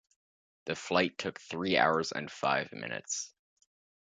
The flight took three hours and five minutes.